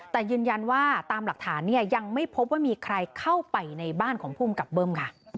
แต่ยืนยันว่าตามหลักฐานเนี่ยยังไม่พบว่ามีใครเข้าไปในบ้านของภูมิกับเบิ้มค่ะ